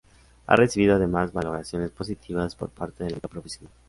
Ha recibido, además, valoraciones positivas por parte de la crítica profesional.